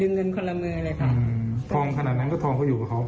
เงินคนละมือเลยค่ะทองขนาดนั้นก็ทองเขาอยู่กับเขา